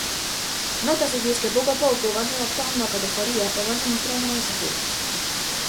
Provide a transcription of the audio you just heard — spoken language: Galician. Nótaselles que pouco a pouco vanse adaptando a categoría e vanse mostrando máis seguras.